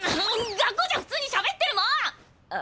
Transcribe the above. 学校じゃ普通にしゃべってるもん！